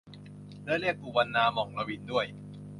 และเรียก อูวันนา หม่อง ลวิน ด้วย